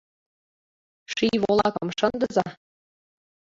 Ший волакым шындыза.